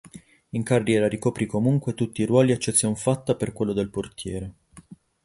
In carriera ricoprì comunque tutti i ruoli eccezion fatta per quello del portiere.